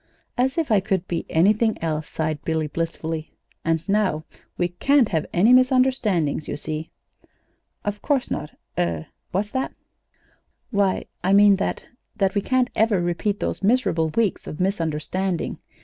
"As if I could be anything else," sighed Billy, blissfully. "And now we can't have any misunderstandings, you see." "Of course not. Er what's that?" "Why, I mean that that we can't ever repeat hose miserable weeks of misunderstanding.